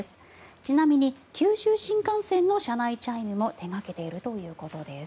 ちなみに九州新幹線の車内チャイムも手掛けているということです。